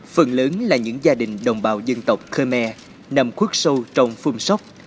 phần lớn là những gia đình đồng bào dân tộc khmer nằm khuất sâu trong phun sóc